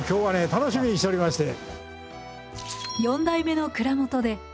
楽しみにしておりまして。